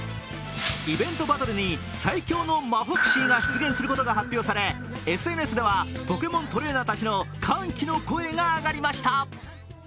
イベントバトルに最強のマフォクシーが出現することが発表されＳＮＳではポケモントレーナーたちの歓喜の声が上がりました。